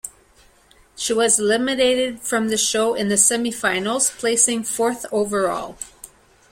She was eliminated from the show in the semi-finals, placing fourth overall.